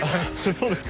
そうですか？